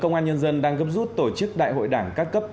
công an nhân dân đang gấp rút tổ chức đại hội đảng các cấp